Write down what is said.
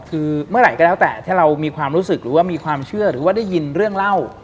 คือเมื่อไหร่ก็แล้วแต่ถ้าเรามีความรู้สึกหรือว่ามีความเชื่อหรือว่าได้ยินเรื่องเล่า